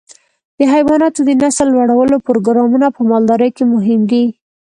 د حيواناتو د نسل لوړولو پروګرامونه په مالدارۍ کې مهم دي.